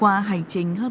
đã ra đảo từ rất sớm